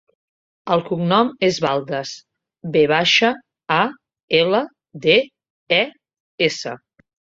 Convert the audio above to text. El cognom és Valdes: ve baixa, a, ela, de, e, essa.